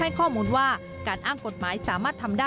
ข้อมูลว่าการอ้างกฎหมายสามารถทำได้